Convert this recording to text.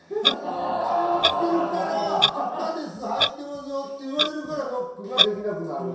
あれをつけるから赤です入ってますよっていわれるからノックができなくなる。